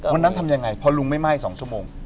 ทำยังไงพอลุงไม่ไหม้๒ชั่วโมง